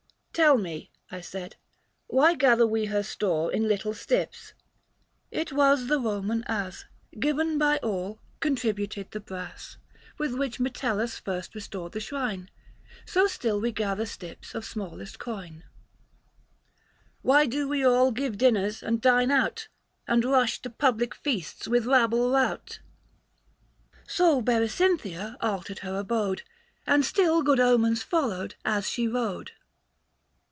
\" Tell me," I said, " why gather we her store In little Stips ?"" It was the Koman As Given by all, contributed the brass Book IV. THE FASTI. 115 With which Metellus first restored the shrine, So still we gather Stips of smallest coin." 395 " Why do we all give dinners and dine out, And rush to public feasts with rabble rout ?"" So Berecynthia altered her abode, And still good omens followed as she rode."